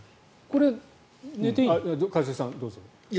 一茂さん、どうぞ。